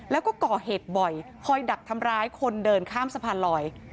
แล้วก็ก่อเหตุบ่อยคอยดักทำร้ายคนเดินข้ามสะพานลอย